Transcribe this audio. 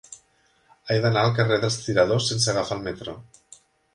He d'anar al carrer dels Tiradors sense agafar el metro.